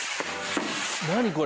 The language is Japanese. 何これ？